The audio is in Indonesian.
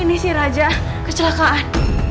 ini sih raja kecelakaan